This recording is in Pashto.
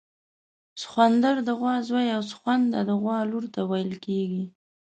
سخوندر د غوا زوی او سخونده د غوا لور ته ویل کیږي